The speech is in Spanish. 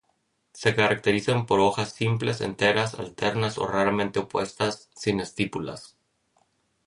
Se caracterizan por hojas simples, enteras, alternas o raramente opuestas, sin estípulas.